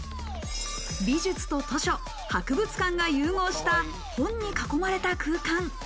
美術と図書、博物館が融合した本に囲まれた空間。